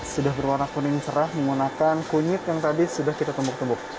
sudah berwarna kuning cerah menggunakan kunyit yang tadi sudah kita tumbuk tumbuk